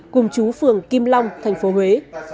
cùng chú phường kim long thành phố huế